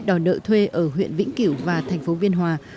đòi nợ thuê ở huyện vĩnh kiểu và thành phố biên hòa